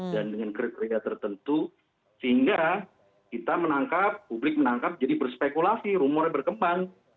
dan dengan karya karya tertentu sehingga kita menangkap publik menangkap jadi berspekulasi rumornya berkembang